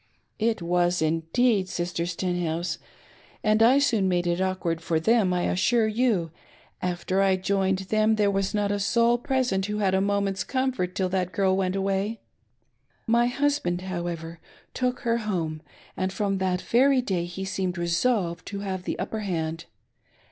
"It was indeed. Sister Stenhouse, and I soon made it awkward for them; I assure you, after I joined them, there was not a soul present who had a moment's comfort till that girl went away. My husband, however, took her home, and from that very day he seemed resolved to have the upper hand.